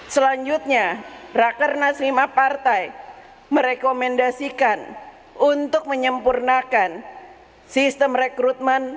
selanjutnya rakernas lima partai merekomendasikan untuk menyempurnakan sistem rekrutmen